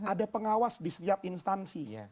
ada pengawas di setiap instansi